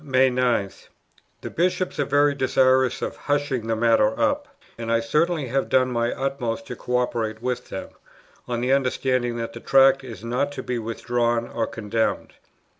5. May 9. "The Bishops are very desirous of hushing the matter up: and I certainly have done my utmost to co operate with them, on the understanding that the Tract is not to be withdrawn or condemned."